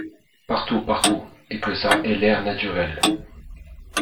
Partout… partout… et que ça ait l’air naturel.